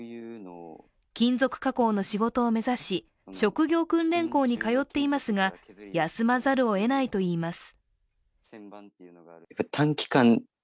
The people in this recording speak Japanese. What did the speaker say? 金属加工の仕事を目指し職業訓練校に通っていますが休まざるをえないといいます。